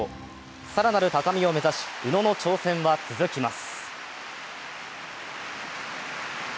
更なる高みを目指し、宇野の挑戦は続きます。